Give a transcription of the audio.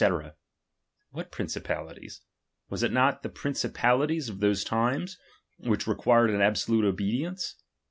^H What priucipalities ? Was it not to the principa ^H lities of those times, which required an absolute ^^| obedieiice